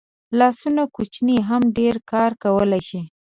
لاسونه کوچني هم ډېر کار کولی شي